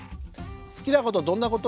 好きなことどんなこと？